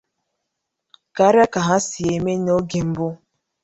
karịa ka ha si eme n'oge mbụ